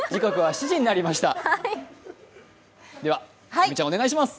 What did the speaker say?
では、梅ちゃんお願いします。